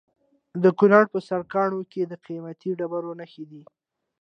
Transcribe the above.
د کونړ په سرکاڼو کې د قیمتي ډبرو نښې دي.